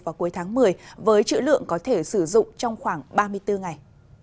và cuối tháng một mươi với trữ lượng có thể sử dụng trong khoảng ba mươi bốn ngày